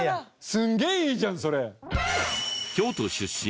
すげえいいじゃんそれ！